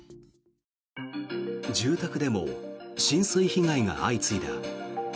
住宅でも浸水被害が相次いだ。